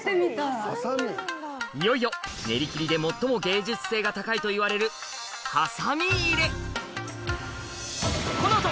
いよいよ練り切りで最も芸術性が高いといわれるうわ！